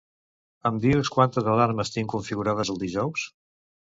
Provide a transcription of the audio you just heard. Em dius quantes alarmes tinc configurades el dijous?